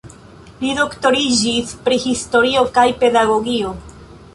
Li doktoriĝis pri historio kaj pedagogio.